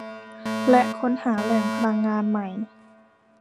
และค้นหาแหล่งพลังงานใหม่